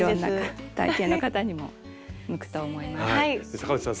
坂内さん